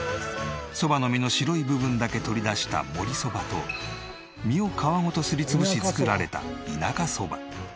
そばの実の白い部分だけ取り出したもりそばと実を皮ごとすり潰し作られた田舎そば。